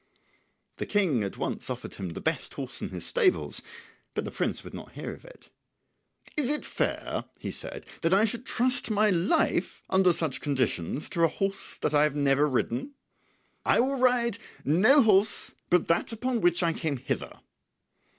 The King at once offered him the best horse in his stables, but the prince would not hear of it. "Is it fair," he said, "that I should trust my life under such conditions to a horse that I have never ridden? I will ride no horse but that upon which I came hither."